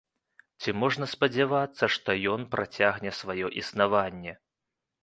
Ці можна спадзявацца, што ён працягне сваё існаванне?